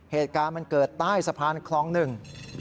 เหตุการณ์เกิดใต้สะพานคลอง๑